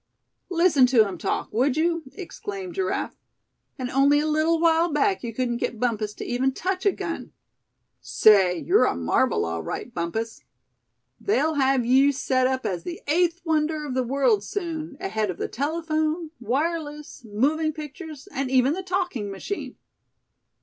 "Listen to him talk, would you?" exclaimed Giraffe; "and only a little while back you couldn't get Bumpus to even touch a gun. Say, you're a marvel, all right, Bumpus. They'll have you set up as the eighth wonder of the world soon, ahead of the telephone, wireless, moving pictures, and even the talking machine.